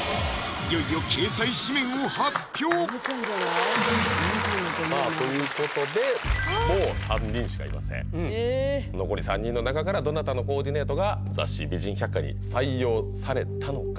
いよいよさあということでもう３人しかいません残り３人の中からどなたのコーディネートが雑誌「美人百花」に採用されたのか？